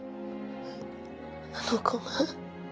あの子が